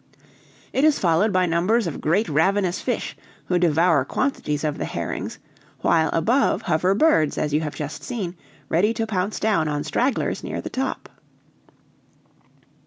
It is followed by numbers of great ravenous fish, who devour quantities of the herrings, while above hover birds, as you have just seen, ready to pounce down on stragglers near the top.